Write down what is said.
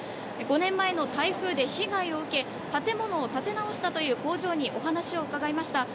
５年前の台風で被害を受け建物を立て直したという工場にお話を伺いました。